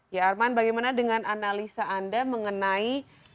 ya arman bagaimana dengan analisa anda mengenai